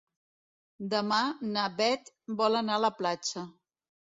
Demà na Beth vol anar a la platja.